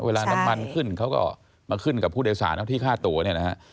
เวลาน้ำมันขึ้นเขาก็มาขึ้นกับผู้โดยสารเอาที่ค่าตัวเนี่ยนะฮะ